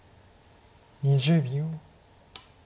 ２０秒。